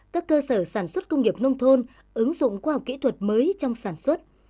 các cơ sở sản xuất công nghiệp nông thôn ứng dụng khoa học kỹ thuật mới trong sản xuất